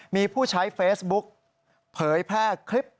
มีผู้ใช้เฟซบุ๊กเผยแพร่คลิป